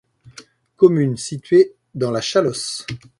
Commune située dans la Chalosse.